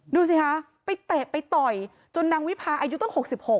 ดูสิคะไปเตะไปต่อยจนนางวิพาอายุตั้ง๖๖